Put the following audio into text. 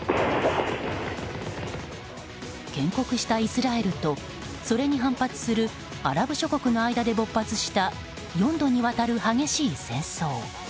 建国したイスラエルとそれに反発するアラブ諸国の間で勃発した４度にわたる激しい戦争。